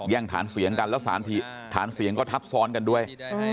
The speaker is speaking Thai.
่งฐานเสียงกันแล้วฐานเสียงก็ทับซ้อนกันด้วย